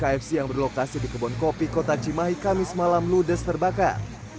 kfc yang berlokasi di kebon kopi kota cimahi kamis malam ludes terbakar